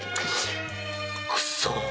くそ！